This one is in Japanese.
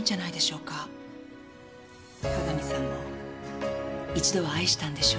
加々美さんも一度は愛したんでしょ？